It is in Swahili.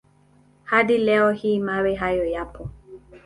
Hadi leo hii mawe hayo yapo.